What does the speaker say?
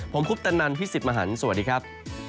ผมคุปตะนันพี่สิทธิ์มหันฯสวัสดีครับ